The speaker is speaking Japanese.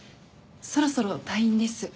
そろそろ退院です。